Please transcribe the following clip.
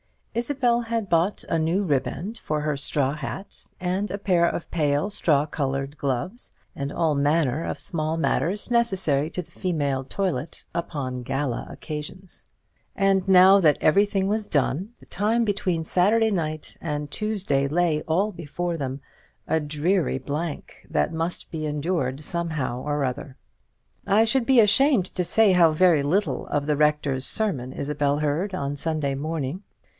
Isabel had bought a new riband for her straw hat and a pair of pale straw coloured gloves, and all manner of small matters necessary to the female toilet upon gala occasions. And now that everything was done, the time between Saturday night and Tuesday lay all before them, a dreary blank, that must be endured somehow or other. I should be ashamed to say how very little of the Rector's sermon Isabel heard on Sunday morning.